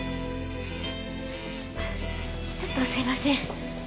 ちょっとすいません。